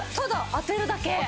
当てるだけ。